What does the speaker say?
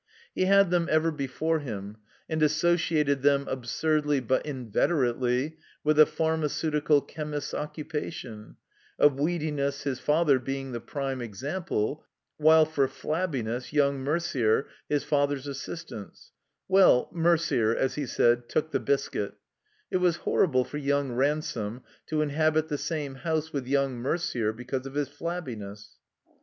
He had them ever before him» and as THE COMBINED MAZE sociated them, absurdly but inveterately, with a pharmaceutical chemist's occupation; of Weediness his father being the prime example ; while for Flabbi ness, yoimg Merder, his father's assistant — ^well, Merder, as he said, "took the biscuit," It was horrible for yoimg Ransome to inhabit the same hotise with yoimg Merder, because of his flabbiness.